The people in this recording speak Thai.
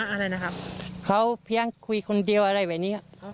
อะไรนะครับเขาเพียงคุยคนเดียวอะไรแบบนี้